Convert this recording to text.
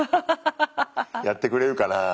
やってくれるかなぁ？